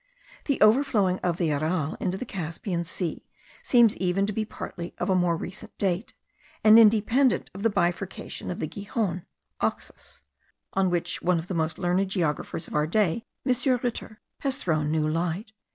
The overflowing of the Aral into the Caspian Sea seems even to be partly of a more recent date, and independent of the bifurcation of the Gihon (Oxus), on which one of the most learned geographers of our day, M. Ritter, has thrown new light.)